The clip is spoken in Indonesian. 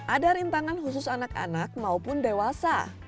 ada rintangan khusus anak anak maupun dewasa